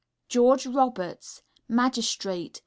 GEORGE ROBERTS, Magistrate.